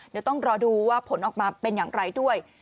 เดี๋ยวต้องรอดูว่าผลออกมาเป็นอย่างไรด้วย